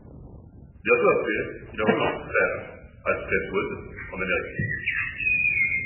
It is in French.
Bientôt après il a rejoint son frère, Alfred Waud, en Amérique.